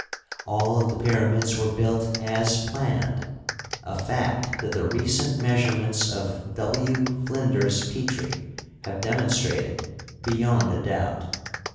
All of the pyramids were built as planned, a fact that the recent measurements of W. Flinders Petrie have demon strated beyond a doubt.